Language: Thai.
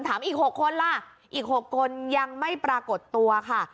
อีก๖คนล่ะอีก๖คนยังไม่ปรากฏตัวค่ะ